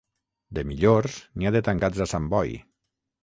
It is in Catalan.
De millors, n'hi ha de tancats a Sant Boi.